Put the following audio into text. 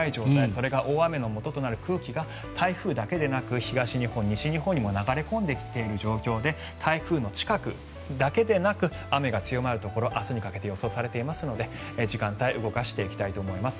それが大雨のもととなる空気が台風だけでなく東日本、西日本にも流れ込んでいる状況で台風の近くだけでなく雨が強まるところ明日にかけて予想されていますので時間帯を動かしていきます。